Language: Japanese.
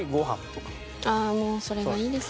ああもうそれがいいですね。